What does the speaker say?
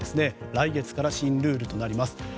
来月から新ルールとなります。